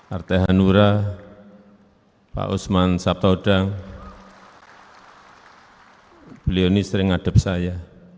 arte hanura pak usman sabtaudang beliau ini sering ngadep saya